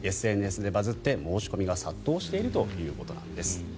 ＳＮＳでバズって申し込みが殺到しているということです。